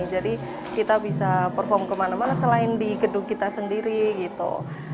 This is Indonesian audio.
jadi kita bisa perform kemana mana selain di gedung kita sendiri gitu